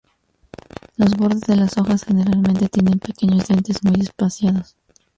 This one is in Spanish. Los bordes de las hojas generalmente tienen pequeños dientes muy espaciados.